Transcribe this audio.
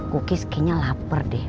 kuki sepertinya lapar deh